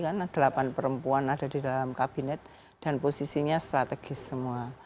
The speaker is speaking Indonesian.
karena delapan perempuan ada di dalam kabinet dan posisinya strategis semua